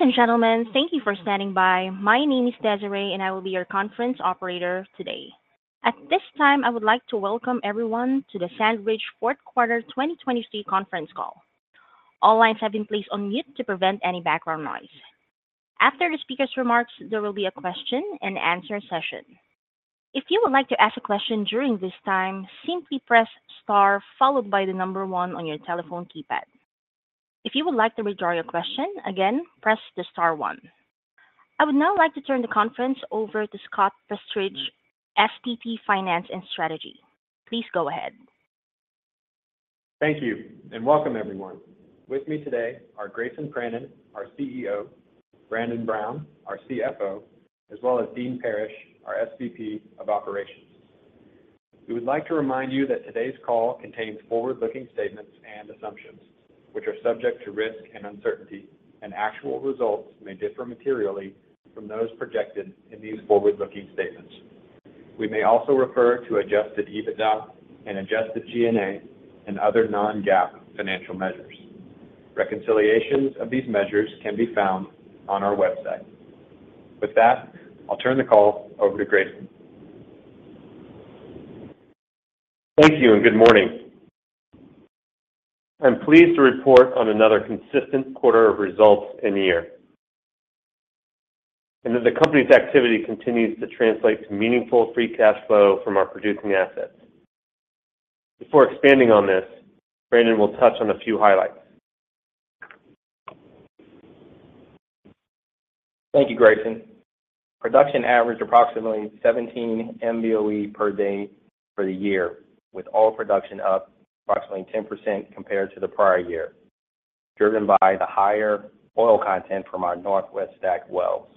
Ladies and gentlemen, thank you for standing by. My name is Desiree, and I will be your conference operator today. At this time, I would like to welcome everyone to the SandRidge Fourth Quarter 2023 conference call. All lines have been placed on mute to prevent any background noise. After the speaker's remarks, there will be a question and answer session. If you would like to ask a question during this time, simply press Star followed by the number one on your telephone keypad. If you would like to withdraw your question, again, press the star one. I would now like to turn the conference over to Scott Prestridge, SVP, Finance and Strategy. Please go ahead. Thank you, and welcome everyone. With me today are Grayson Pranin, our CEO, Brandon Brown, our CFO, as well as Dean Parrish, our SVP of Operations. We would like to remind you that today's call contains forward-looking statements and assumptions, which are subject to risk and uncertainty, and actual results may differ materially from those projected in these forward-looking statements. We may also refer to Adjusted EBITDA and Adjusted G&A and other non-GAAP financial measures. Reconciliations of these measures can be found on our website. With that, I'll turn the call over to Grayson. Thank you, and good morning. I'm pleased to report on another consistent quarter of results in the year, and that the company's activity continues to translate to meaningful free cash flow from our producing assets. Before expanding on this, Brandon will touch on a few highlights. Thank you, Grayson. Production averaged approximately 17 MBOE per day for the year, with oil production up approximately 10% compared to the prior year, driven by the higher oil content from our Northwest STACK wells.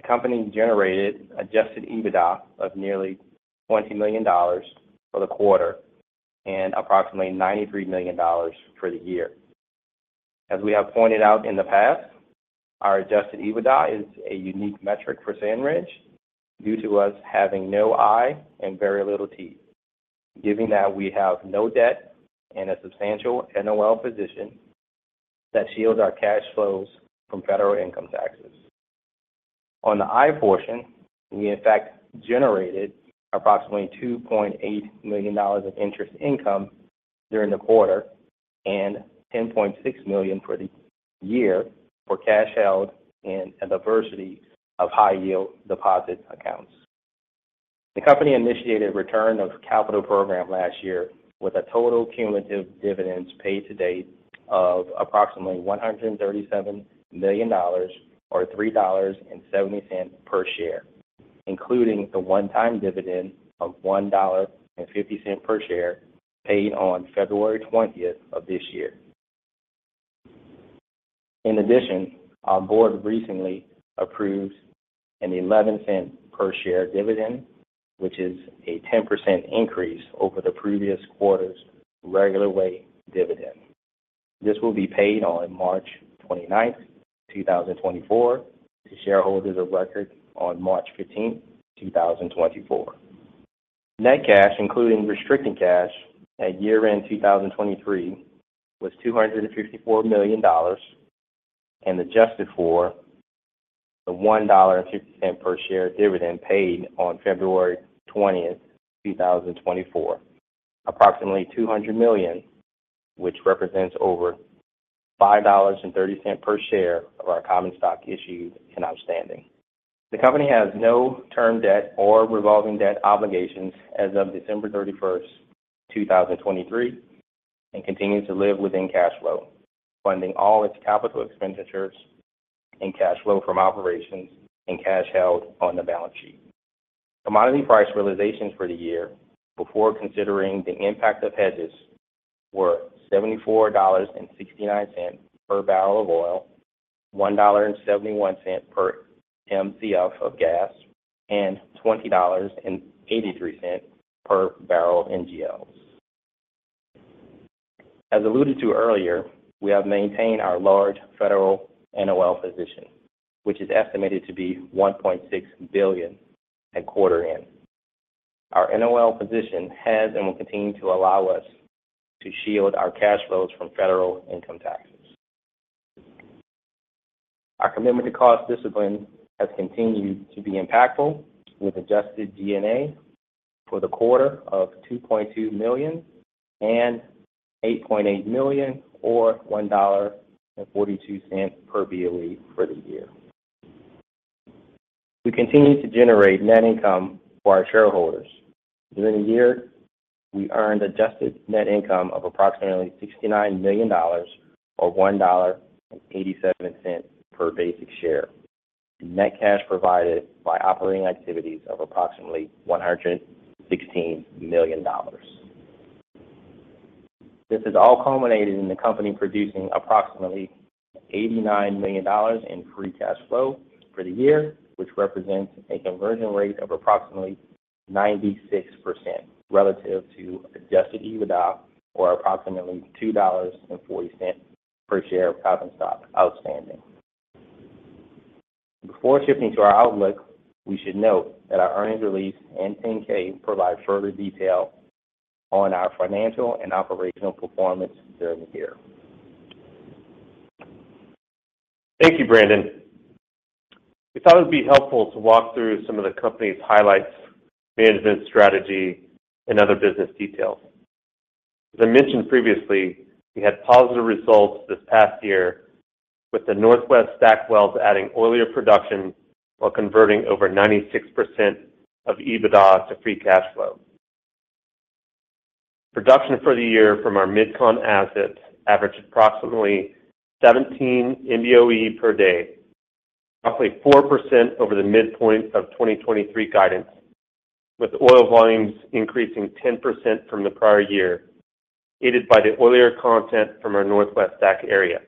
The company generated adjusted EBITDA of nearly $20 million for the quarter and approximately $93 million for the year. As we have pointed out in the past, our adjusted EBITDA is a unique metric for SandRidge due to us having no I and very little T, giving that we have no debt and a substantial NOL position that shields our cash flows from federal income taxes. On the I portion, we in fact generated approximately $2.8 million of interest income during the quarter and $10.6 million for the year for cash held in a diversity of high yield deposit accounts. The company initiated a return of capital program last year with a total cumulative dividends paid to date of approximately $137 million, or $3.70 per share, including the one-time dividend of $1.50 per share paid on February 20 of this year. In addition, our board recently approved an 11 cents per share dividend, which is a 10% increase over the previous quarter's regular way dividend. This will be paid on March 29, 2024, to shareholders of record on March 15, 2024. Net cash, including restricted cash at year-end 2023, was $254 million and adjusted for the $1.50 per share dividend paid on February 20, 2024, approximately $200 million, which represents over $5.30 per share of our common stock issued and outstanding. The company has no term debt or revolving debt obligations as of December 31, 2023, and continues to live within cash flow, funding all its capital expenditures and cash flow from operations and cash held on the balance sheet. Commodity price realizations for the year, before considering the impact of hedges, were $74.69 per barrel of oil, $1.71 per Mcf of gas, and $20.83 per barrel of NGL. As alluded to earlier, we have maintained our large federal NOL position, which is estimated to be $1.6 billion at quarter end. Our NOL position has and will continue to allow us to shield our cash flows from federal income taxes. Our commitment to cost discipline has continued to be impactful, with adjusted G&A for the quarter of $2.2 million and $8.8 million, or $1.42 per BOE for the year. We continue to generate net income for our shareholders. During the year, we earned adjusted net income of approximately $69 million, or $1.87 per basic share, and net cash provided by operating activities of approximately $116 million. This has all culminated in the company producing approximately $89 million in free cash flow for the year, which represents a conversion rate of approximately 96% relative to Adjusted EBITDA, or approximately $2.40 per share of common stock outstanding. Before shifting to our outlook, we should note that our earnings release and 10-K provide further detail on our financial and operational performance during the year. Thank you, Brandon. We thought it would be helpful to walk through some of the company's highlights, management strategy, and other business details. As I mentioned previously, we had positive results this past year, with the Northwest STACK wells adding oilier production while converting over 96% of EBITDA to free cash flow. Production for the year from our MidCon assets averaged approximately 17 MBOE per day, roughly 4% over the midpoint of 2023 guidance, with oil volumes increasing 10% from the prior year, aided by the oilier content from our Northwest STACK area.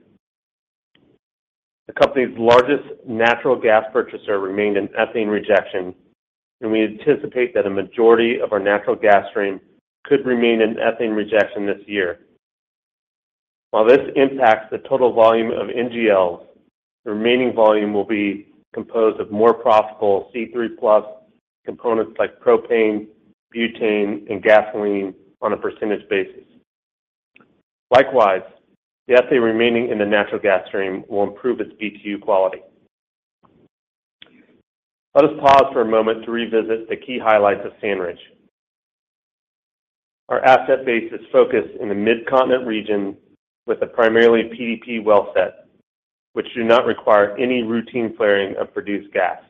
The company's largest natural gas purchaser remained in ethane rejection, and we anticipate that a majority of our natural gas stream could remain in ethane rejection this year. While this impacts the total volume of NGLs, the remaining volume will be composed of more profitable C3+ components like propane, butane, and gasoline on a percentage basis. Likewise, the ethane remaining in the natural gas stream will improve its BTU quality. Let us pause for a moment to revisit the key highlights of SandRidge. Our asset base is focused in the Mid-Continent region with a primarily PDP well set, which do not require any routine flaring of produced gas.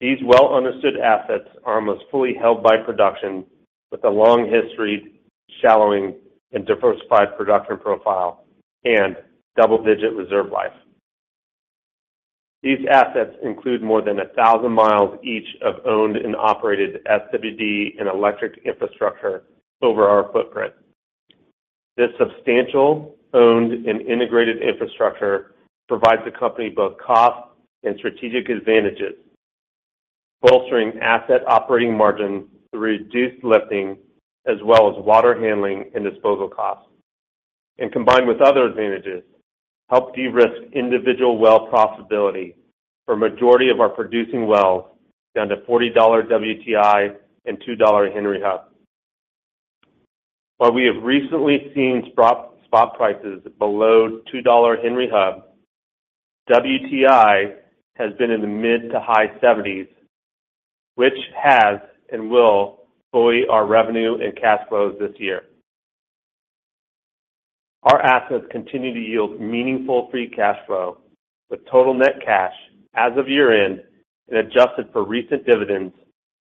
These well-understood assets are almost fully held by production, with a long history, shallowing, and diversified production profile and double-digit reserve life. These assets include more than 1,000 miles each of owned and operated SWD and electric infrastructure over our footprint. This substantial, owned, and integrated infrastructure provides the company both cost and strategic advantages, bolstering asset operating margins through reduced lifting, as well as water handling and disposal costs, and combined with other advantages, help de-risk individual well profitability for a majority of our producing wells down to $40 WTI and $2 Henry Hub. While we have recently seen spot prices below $2 Henry Hub, WTI has been in the mid- to high 70s, which has and will buoy our revenue and cash flows this year. Our assets continue to yield meaningful free cash flow, with total net cash as of year-end and adjusted for recent dividends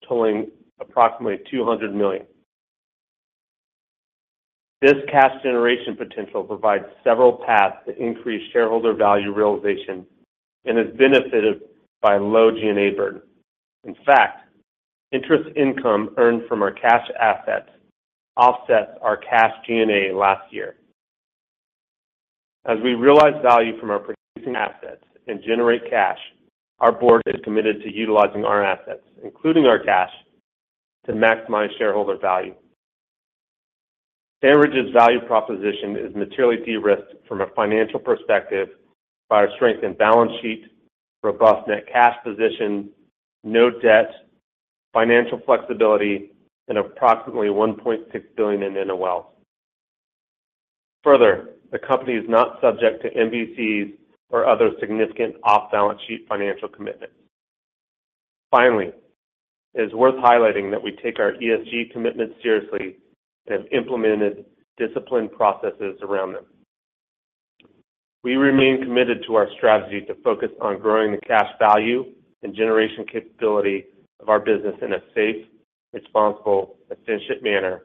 totaling approximately $200 million. This cash generation potential provides several paths to increase shareholder value realization and is benefited by low G&A burden. In fact, interest income earned from our cash assets offsets our cash G&A last year. As we realize value from our producing assets and generate cash, our board is committed to utilizing our assets, including our cash, to maximize shareholder value. SandRidge's value proposition is materially de-risked from a financial perspective by our strength and balance sheet, robust net cash position, no debt, financial flexibility, and approximately $1.6 billion in NOLs. Further, the company is not subject to MVCs or other significant off-balance sheet financial commitments. Finally, it is worth highlighting that we take our ESG commitments seriously and have implemented disciplined processes around them. We remain committed to our strategy to focus on growing the cash value and generation capability of our business in a safe, responsible, efficient manner,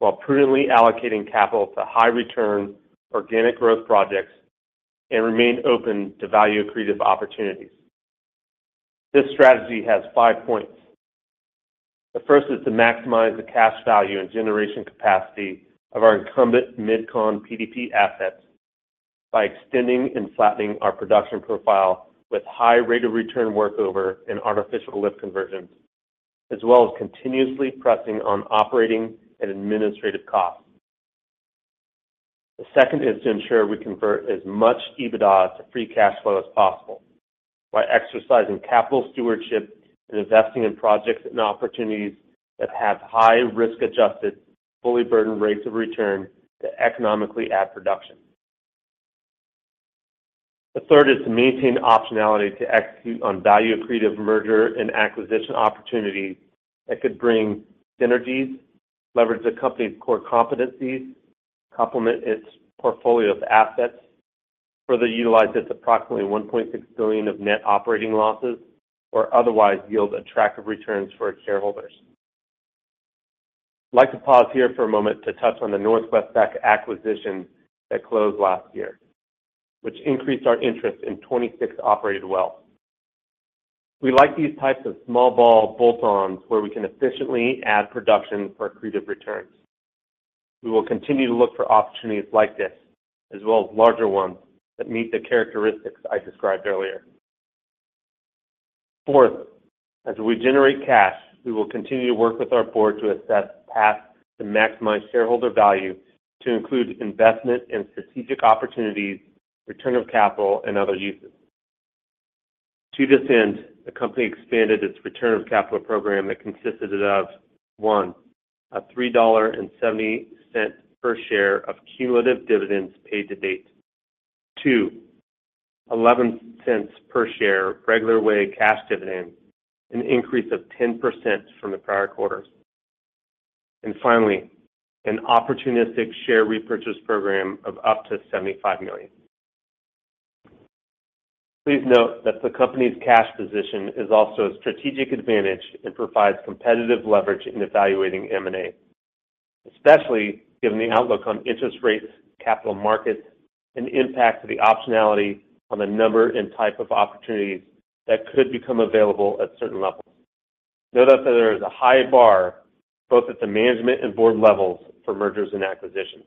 while prudently allocating capital to high-return organic growth projects and remain open to value accretive opportunities. This strategy has five points. The first is to maximize the cash value and generation capacity of our incumbent MidCon PDP assets by extending and flattening our production profile with high rate of return workover and artificial lift conversions, as well as continuously pressing on operating and administrative costs. The second is to ensure we convert as much EBITDA to free cash flow as possible by exercising capital stewardship and investing in projects and opportunities that have high risk-adjusted, fully burdened rates of return to economically add production. The third is to maintain optionality to execute on value-accretive merger and acquisition opportunities that could bring synergies, leverage the company's core competencies, complement its portfolio of assets, further utilize its approximately $1.6 billion of net operating losses, or otherwise yield attractive returns for its shareholders. I'd like to pause here for a moment to touch on the Northwest STACK acquisition that closed last year, which increased our interest in 26 operated wells. We like these types of small ball bolt-ons, where we can efficiently add production for accretive returns. We will continue to look for opportunities like this, as well as larger ones that meet the characteristics I described earlier. Fourth, as we generate cash, we will continue to work with our board to assess paths to maximize shareholder value, to include investment in strategic opportunities, return of capital, and other uses. To this end, the company expanded its return of capital program that consisted of, one, a $3.70 per share of cumulative dividends paid to date. Two, $0.11 per share, regular way cash dividend, an increase of 10% from the prior quarter. Finally, an opportunistic share repurchase program of up to $75 million. Please note that the company's cash position is also a strategic advantage and provides competitive leverage in evaluating M&A, especially given the outlook on interest rates, capital markets, and the impact of the optionality on the number and type of opportunities that could become available at certain levels. Note that there is a high bar, both at the management and board levels, for mergers and acquisitions.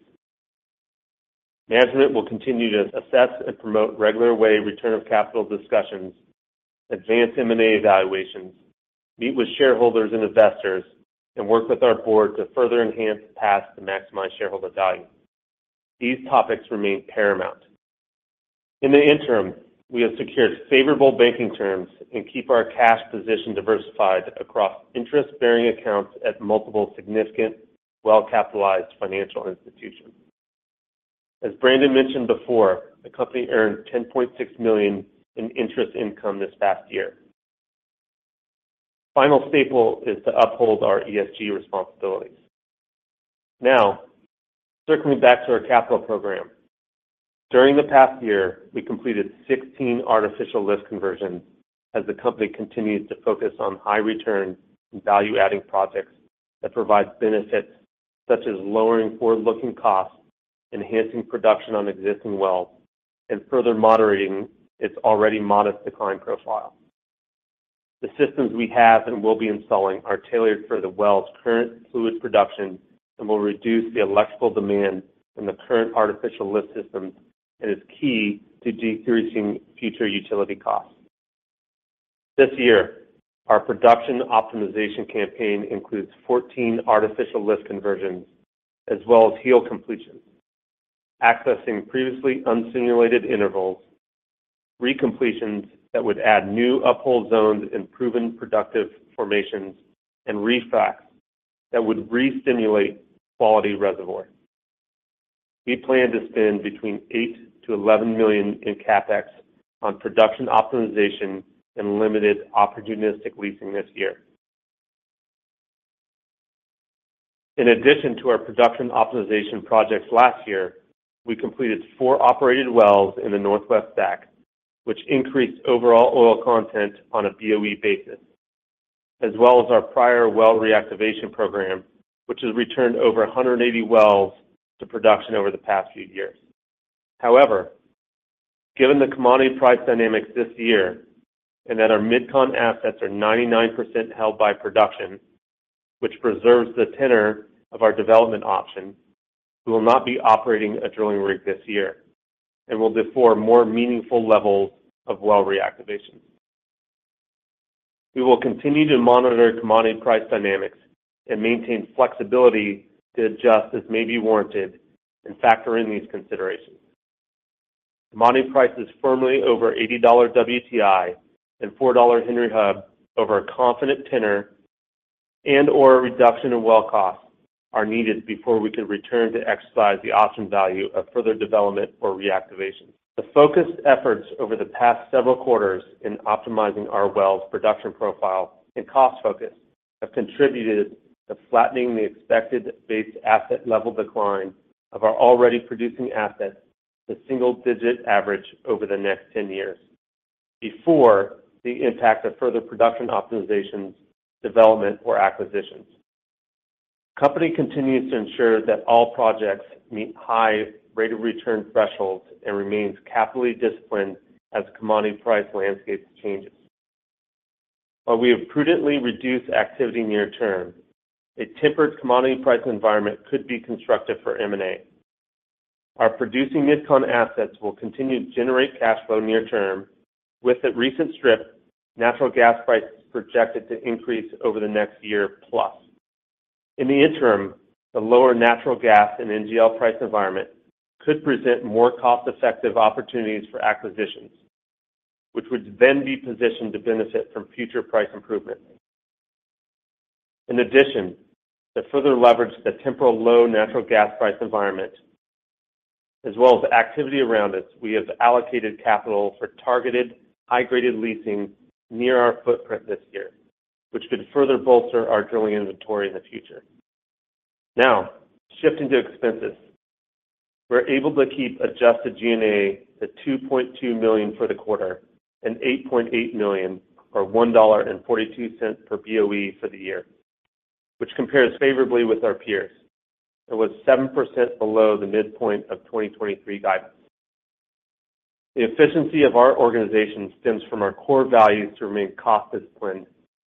Management will continue to assess and promote regular way return of capital discussions, advance M&A evaluations, meet with shareholders and investors, and work with our board to further enhance paths to maximize shareholder value. These topics remain paramount. In the interim, we have secured favorable banking terms and keep our cash position diversified across interest-bearing accounts at multiple significant, well-capitalized financial institutions. As Brandon mentioned before, the company earned $10.6 million in interest income this past year. Final staple is to uphold our ESG responsibilities. Now, circling back to our capital program. During the past year, we completed 16 artificial lift conversions as the company continues to focus on high return and value-adding projects that provide benefits such as lowering forward-looking costs, enhancing production on existing wells, and further moderating its already modest decline profile. The systems we have and will be installing are tailored for the well's current fluid production and will reduce the electrical demand from the current artificial lift systems, and is key to decreasing future utility costs. This year, our production optimization campaign includes 14 artificial lift conversions, as well as heel completions, accessing previously unstimulated intervals, recompletions that would add new uphold zones in proven productive formations, and refracs that would re-stimulate quality reservoir. We plan to spend between $8 million-$11 million in CapEx on production optimization and limited opportunistic leasing this year. In addition to our production optimization projects last year, we completed 4 operated wells in the Northwest STACK, which increased overall oil content on a BOE basis, as well as our prior well reactivation program, which has returned over 180 wells to production over the past few years. However, given the commodity price dynamics this year and that our MidCon assets are 99% held by production, which preserves the tenor of our development options, we will not be operating a drilling rig this year and will defer more meaningful levels of well reactivation. We will continue to monitor commodity price dynamics and maintain flexibility to adjust as may be warranted and factor in these considerations. Commodity prices firmly over $80 WTI and $4 Henry Hub, over a confident tenor and/or a reduction in well costs, are needed before we can return to exercise the option value of further development or reactivation. The focused efforts over the past several quarters in optimizing our wells, production profile, and cost focus have contributed to flattening the expected base asset level decline of our already producing assets to single-digit average over the next 10 years before the impact of further production optimizations, development, and acquisitions. The company continues to ensure that all projects meet high rate of return thresholds and remains capital disciplined as commodity price landscape changes. While we have prudently reduced activity near-term, a tempered commodity price environment could be constructive for M&A. Our producing MidCon assets will continue to generate cash flow near term, with the recent strip natural gas prices projected to increase over the next year plus. In the interim, the lower natural gas and NGL price environment could present more cost-effective opportunities for acquisitions, which would then be positioned to benefit from future price improvements. In addition, to further leverage the temporal low natural gas price environment, as well as the activity around us, we have allocated capital for targeted, high-graded leasing near our footprint this year, which could further bolster our drilling inventory in the future. Now, shifting to expenses. We're able to keep Adjusted G&A to $2.2 million for the quarter and $8.8 million, or $1.42 per BOE for the year, which compares favorably with our peers, and was 7% below the midpoint of 2023 guidance. The efficiency of our organization stems from our core values to remain cost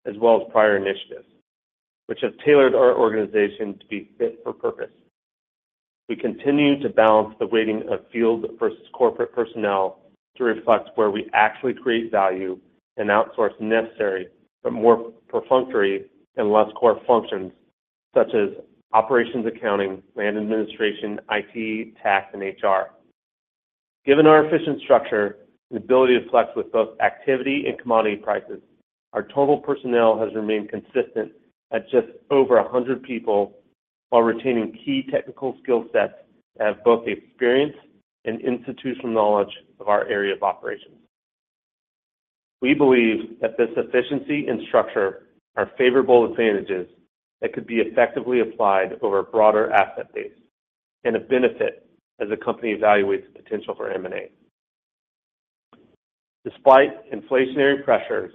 disciplined, as well as prior initiatives, which have tailored our organization to be fit for purpose. We continue to balance the weighting of field versus corporate personnel to reflect where we actually create value and outsource necessary, but more perfunctory and less core functions such as operations, accounting, land administration, IT, tax, and HR. Given our efficient structure and ability to flex with both activity and commodity prices, our total personnel has remained consistent at just over 100 people, while retaining key technical skill sets that have both the experience and institutional knowledge of our area of operations. We believe that this efficiency and structure are favorable advantages that could be effectively applied over a broader asset base and a benefit as the company evaluates the potential for M&A. Despite inflationary pressures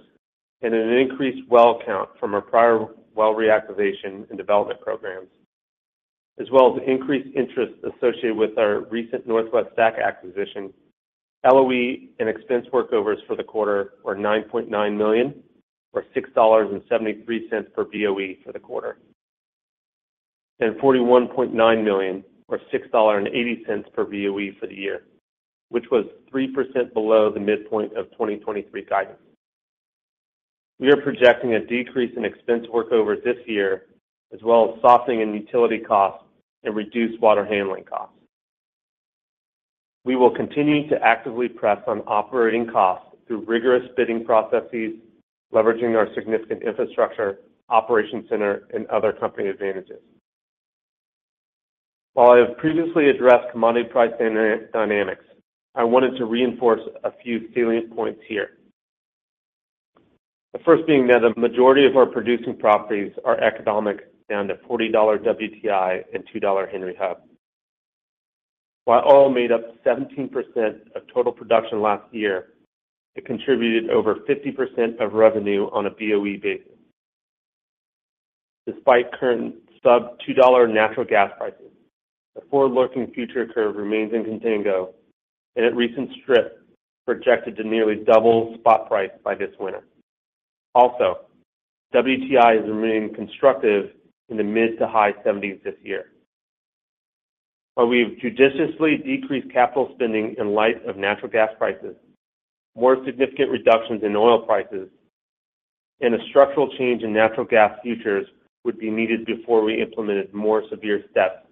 and an increased well count from our prior well reactivation and development programs, as well as increased interest associated with our recent Northwest STACK acquisition, LOE and expense workovers for the quarter were $9.9 million, or $6.73 per BOE for the quarter, and $41.9 million, or $6.80 per BOE for the year, which was 3% below the midpoint of 2023 guidance. We are projecting a decrease in expense workovers this year, as well as softening in utility costs and reduced water handling costs. We will continue to actively press on operating costs through rigorous bidding processes, leveraging our significant infrastructure, operations center, and other company advantages. While I have previously addressed commodity price dynamics, I wanted to reinforce a few salient points here. The first being that a majority of our producing properties are economic down to $40 WTI and $2 Henry Hub. While oil made up 17% of total production last year, it contributed over 50% of revenue on a BOE basis. Despite current sub-$2 natural gas prices, the forward-looking future curve remains in contango, and at recent strip, projected to nearly double spot price by this winter. Also, WTI is remaining constructive in the mid- to high 70s this year. While we've judiciously decreased capital spending in light of natural gas prices, more significant reductions in oil prices and a structural change in natural gas futures would be needed before we implemented more severe steps,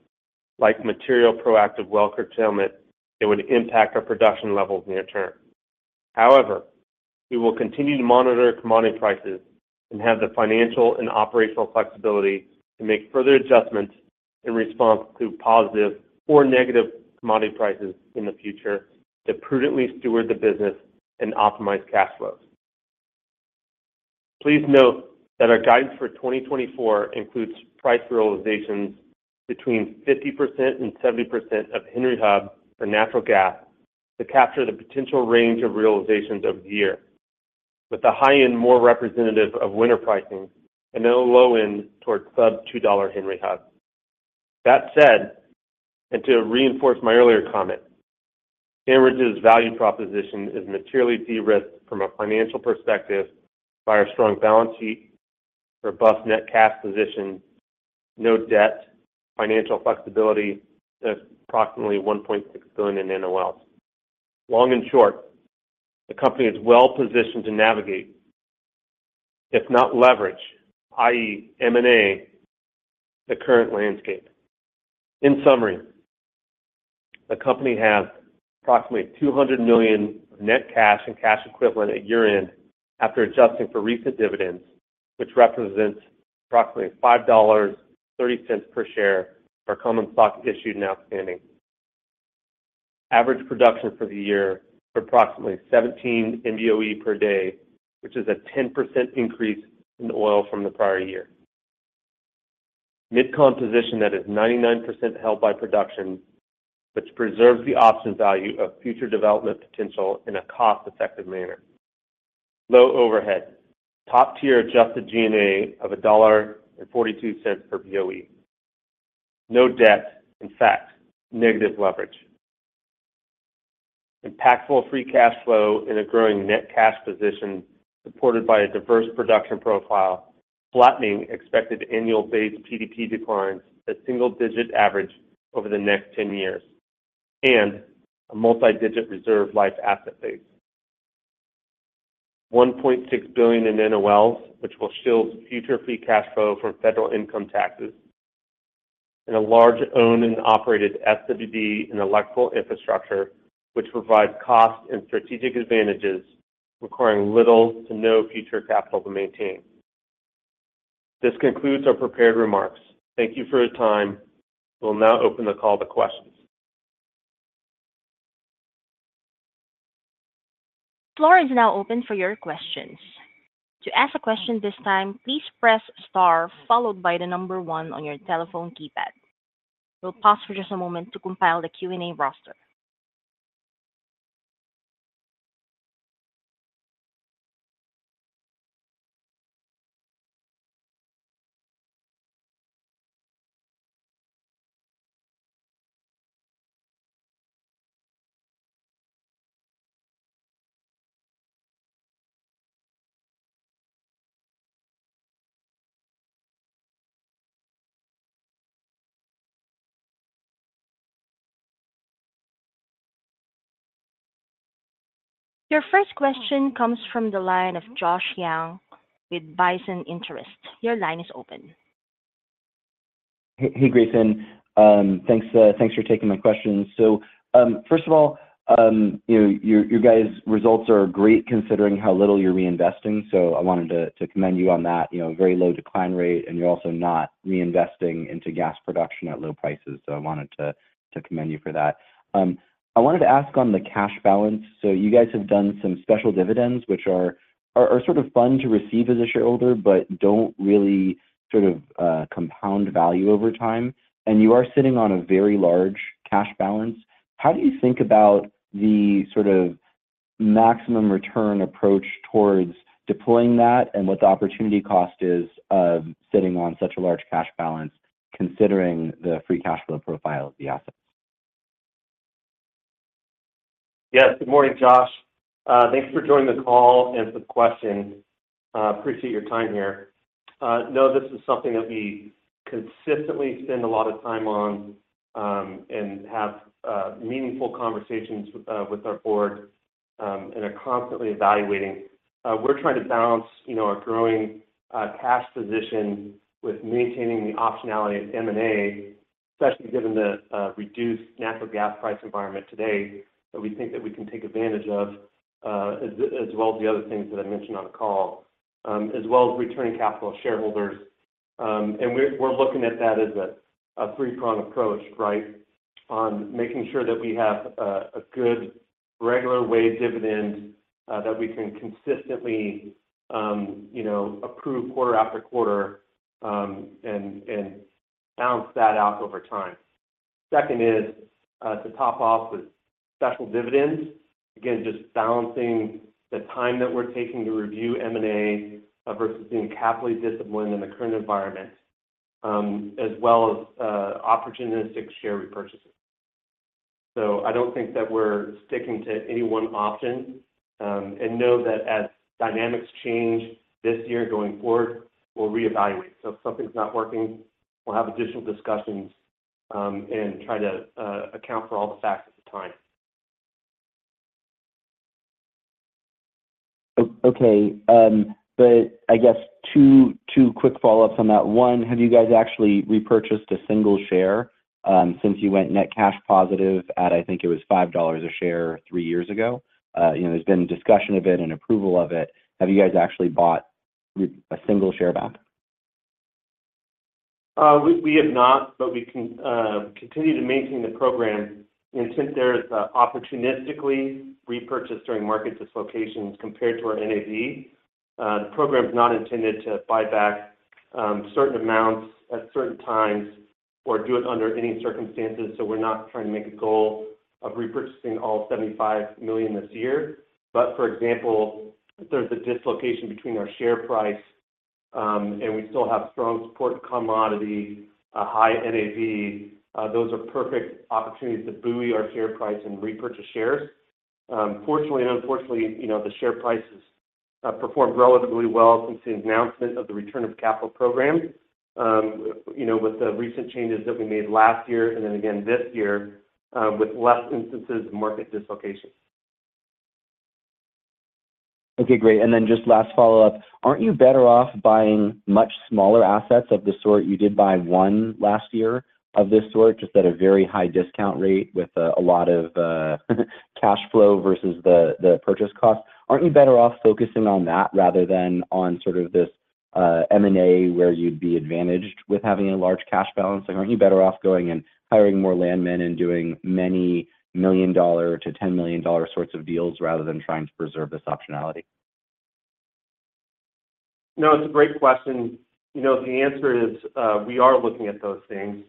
like material proactive well curtailment, that would impact our production levels near term. However, we will continue to monitor commodity prices and have the financial and operational flexibility to make further adjustments in response to positive or negative commodity prices in the future to prudently steward the business and optimize cash flows. Please note that our guidance for 2024 includes price realizations between 50% and 70% of Henry Hub for natural gas to capture the potential range of realizations over the year, with the high end more representative of winter pricing and then a low end towards sub-$2 Henry Hub. That said, and to reinforce my earlier comment, Enbridge's value proposition is materially de-risked from a financial perspective by our strong balance sheet, robust net cash position, no debt, financial flexibility, and approximately $1.6 billion in NOLs. Long and short, the company is well positioned to navigate, if not leverage, i.e., M&A, the current landscape. In summary, the company has approximately $200 million net cash and cash equivalent at year-end after adjusting for recent dividends, which represents approximately $5.30 per share for common stock issued and outstanding. Average production for the year of approximately 17 MBOE per day, which is a 10% increase in oil from the prior year. MidCon position that is 99% held by production, which preserves the option value of future development potential in a cost-effective manner. Low overhead, top-tier adjusted G&A of $1.42 per BOE. No debt, in fact, negative leverage. Impactful free cash flow and a growing net cash position, supported by a diverse production profile, flattening expected annual base PDP declines at single-digit average over the next 10 years, and a multi-digit reserve life asset base. $1.6 billion in NOLs, which will shield future free cash flow from federal income taxes, and a large owned and operated SWD and electrical infrastructure, which provides cost and strategic advantages, requiring little to no future capital to maintain. This concludes our prepared remarks. Thank you for your time. We'll now open the call to questions. Floor is now open for your questions. To ask a question this time, please press star followed by the number one on your telephone keypad. We'll pause for just a moment to compile the Q&A roster. Your first question comes from the line of Josh Young with Bison Interests. Your line is open. Hey, hey, Grayson. Thanks, thanks for taking my questions. So, first of all, you know, your, your guys' results are great considering how little you're reinvesting. So I wanted to, to commend you on that, you know, very low decline rate, and you're also not reinvesting into gas production at low prices. So I wanted to, to commend you for that. I wanted to ask on the cash balance. So you guys have done some special dividends, which are, are, are sort of fun to receive as a shareholder, but don't really sort of, compound value over time, and you are sitting on a very large cash balance. How do you think about the sort of maximum return approach towards deploying that and what the opportunity cost is of sitting on such a large cash balance, considering the free cash flow profile of the assets? Yes. Good morning, Josh. Thanks for joining the call and the question. Appreciate your time here. Know this is something that we consistently spend a lot of time on, and have meaningful conversations with our board, and are constantly evaluating. We're trying to balance, you know, our growing cash position with maintaining the optionality of M&A, especially given the reduced natural gas price environment today, that we think that we can take advantage of, as well as the other things that I mentioned on the call, as well as returning capital to shareholders. And we're looking at that as a three-prong approach, right? On making sure that we have a good regular way dividend that we can consistently, you know, approve quarter after quarter and balance that out over time. Second is to top off with special dividends. Again, just balancing the time that we're taking to review M&A versus being capitally disciplined in the current environment as well as opportunistic share repurchasing. So I don't think that we're sticking to any one option and know that as dynamics change this year going forward, we'll reevaluate. So if something's not working, we'll have additional discussions and try to account for all the facts at the time. Oh, okay. But I guess two quick follow-ups on that. One, have you guys actually repurchased a single share since you went net cash positive at, I think it was $5 a share three years ago? You know, there's been discussion of it and approval of it. Have you guys actually bought a single share back? We have not, but we continue to maintain the program. And since there is opportunistically repurchase during market dislocations compared to our NAV, the program is not intended to buy back certain amounts at certain times or do it under any circumstances, so we're not trying to make a goal of repurchasing all $75 million this year. But for example, if there's a dislocation between our share price and we still have strong support commodity, a high NAV, those are perfect opportunities to buoy our share price and repurchase shares. Fortunately and unfortunately, you know, the share price has performed relatively well since the announcement of the return of capital program, you know, with the recent changes that we made last year and then again this year, with less instances of market dislocation. Okay, great. And then just last follow-up. Aren't you better off buying much smaller assets of the sort you did buy one last year of this sort, just at a very high discount rate with a lot of cash flow versus the purchase cost? Aren't you better off focusing on that rather than on sort of this M&A, where you'd be advantaged with having a large cash balance? And aren't you better off going and hiring more landmen and doing many $1 million-$10 million sorts of deals, rather than trying to preserve this optionality? No, it's a great question. You know, the answer is, we are looking at those things.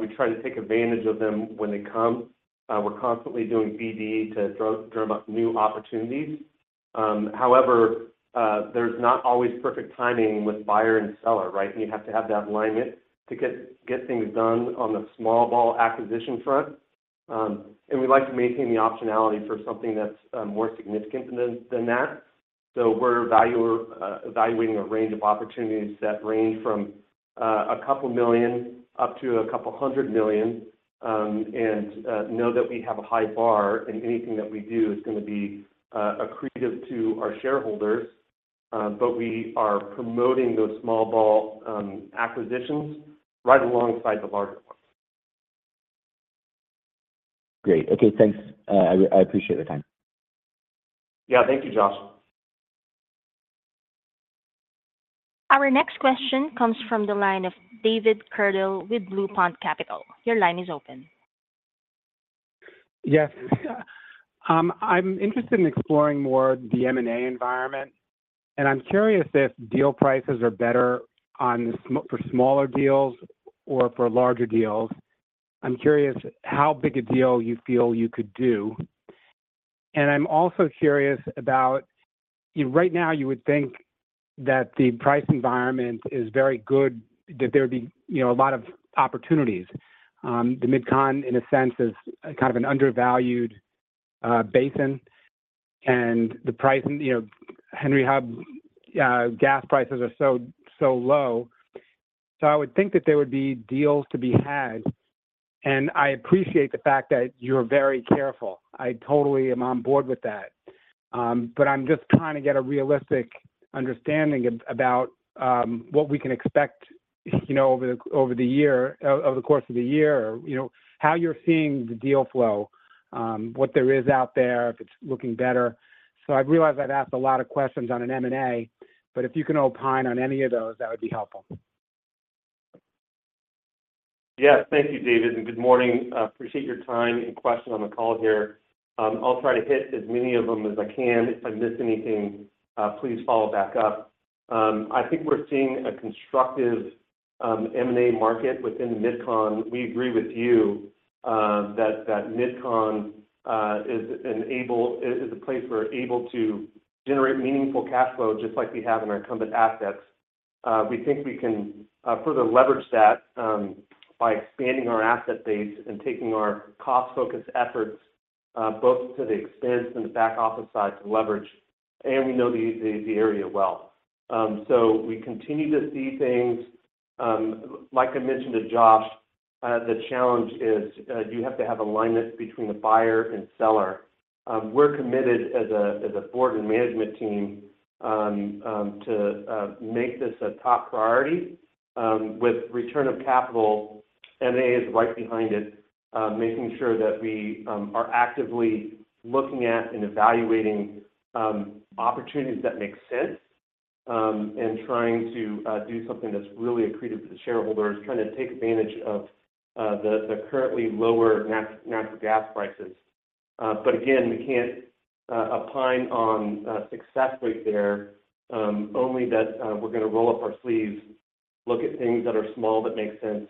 We try to take advantage of them when they come. We're constantly doing BD to drive up new opportunities. However, there's not always perfect timing with buyer and seller, right? You have to have that alignment to get things done on the small ball acquisition front. And we like to maintain the optionality for something that's more significant than that. So we're evaluating a range of opportunities that range from $2 million-$200 million. And know that we have a high bar, and anything that we do is gonna be accretive to our shareholders, but we are promoting those small ball acquisitions right alongside the larger ones. Great. Okay, thanks. I appreciate the time. Yeah. Thank you, Josh. Our next question comes from the line of David Khoudary with Blue Pond Capital. Your line is open. Yes. I'm interested in exploring more the M&A environment, and I'm curious if deal prices are better on—for smaller deals or for larger deals. I'm curious how big a deal you feel you could do. And I'm also curious about... Right now, you would think that the price environment is very good, that there would be, you know, a lot of opportunities. The MidCon, in a sense, is kind of an undervalued... basin, and the price, you know, Henry Hub, gas prices are so, so low. So I would think that there would be deals to be had, and I appreciate the fact that you're very careful. I totally am on board with that. But I'm just trying to get a realistic understanding about what we can expect, you know, over the course of the year. You know, how you're seeing the deal flow, what there is out there, if it's looking better? So I realize I've asked a lot of questions on an M&A, but if you can opine on any of those, that would be helpful. Yes. Thank you, David, and good morning. I appreciate your time and questions on the call here. I'll try to hit as many of them as I can. If I miss anything, please follow back up. I think we're seeing a constructive M&A market within MidCon. We agree with you that MidCon is a place we're able to generate meaningful cash flow, just like we have in our incumbent assets. We think we can further leverage that by expanding our asset base and taking our cost-focused efforts both to the expense and the back office side to leverage, and we know the area well. So we continue to see things. Like I mentioned to Josh, the challenge is you have to have alignment between the buyer and seller. We're committed as a board and management team to make this a top priority. With return of capital, M&A is right behind it, making sure that we are actively looking at and evaluating opportunities that make sense, and trying to do something that's really accretive to the shareholders, trying to take advantage of the currently lower natural gas prices. But again, we can't opine on success rate there, only that we're gonna roll up our sleeves, look at things that are small, that make sense,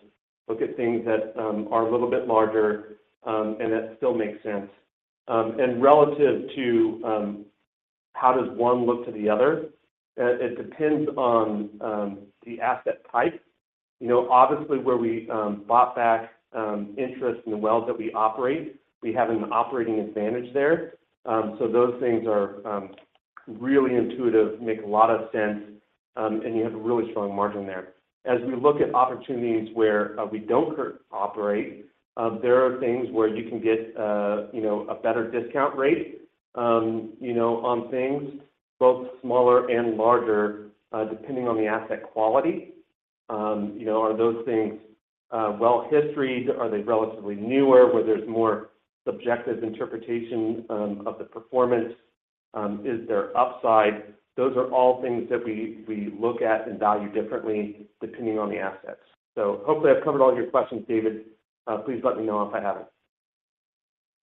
look at things that are a little bit larger, and that still make sense. And relative to how does one look to the other? It depends on the asset type. You know, obviously, where we bought back interest in the wells that we operate, we have an operating advantage there. So those things are really intuitive, make a lot of sense, and you have a really strong margin there. As we look at opportunities where we don't operate, there are things where you can get you know, a better discount rate, you know, on things both smaller and larger, depending on the asset quality. You know, are those things well historied? Are they relatively newer, where there's more subjective interpretation of the performance? Is there upside? Those are all things that we look at and value differently depending on the assets. So hopefully I've covered all your questions, David. Please let me know if I haven't.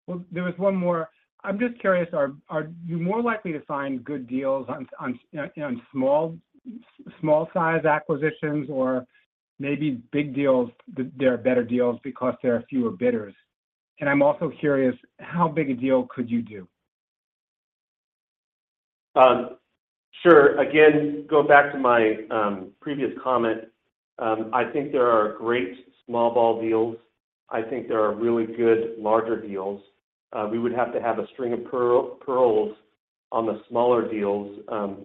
Well, there was one more. I'm just curious, are you more likely to find good deals on, you know, small-size acquisitions or maybe big deals that there are better deals because there are fewer bidders? And I'm also curious, how big a deal could you do? Sure. Again, going back to my previous comment, I think there are great small ball deals. I think there are really good larger deals. We would have to have a string of pearls on the smaller deals,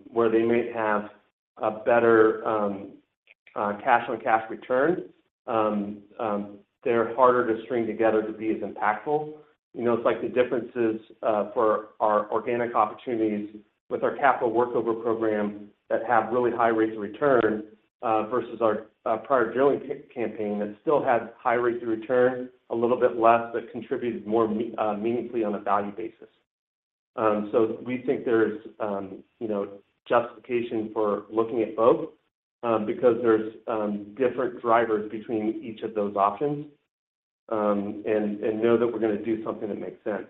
where they may have a better cash-on-cash return. They're harder to string together to be as impactful. You know, it's like the differences for our organic opportunities with our capital workover program that have really high rates of return, versus our prior drilling campaign that still has high rates of return, a little bit less, but contributes more meaningfully on a value basis. So we think there is, you know, justification for looking at both, because there's different drivers between each of those options. know that we're gonna do something that makes sense.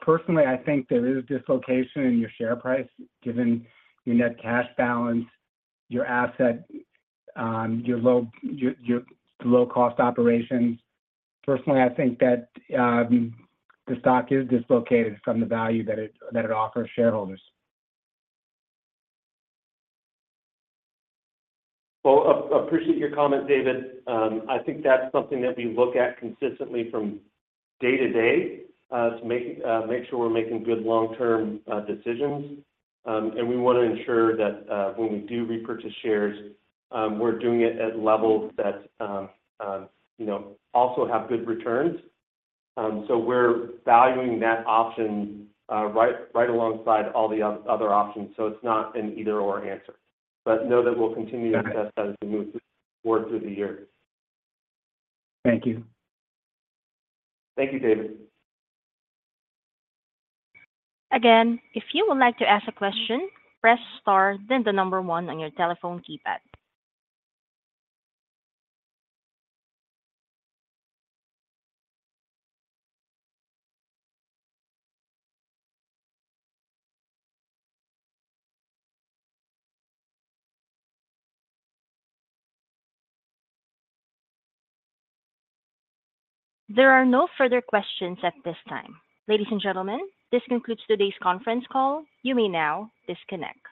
Okay. Okay, I'll just say this: I personally think there is dislocation in your share price, given your net cash balance, your asset, your low-cost operations. Personally, I think that the stock is dislocated from the value that it offers shareholders. Well, appreciate your comment, David. I think that's something that we look at consistently from day to day to make sure we're making good long-term decisions. And we want to ensure that when we do repurchase shares, we're doing it at levels that you know also have good returns. So we're valuing that option right alongside all the other options, so it's not an either/or answer. But know that we'll continue to- Okay... assess that as we move forward through the year. Thank you. Thank you, David. Again, if you would like to ask a question, press star, then the number one on your telephone keypad. There are no further questions at this time. Ladies and gentlemen, this concludes today's conference call. You may now disconnect.